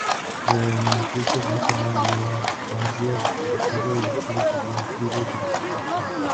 El manuscrito nunca más volvió a Gandía, desapareció y estuvo perdido durante muchos años.